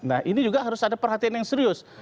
nah ini juga harus ada perhatian yang serius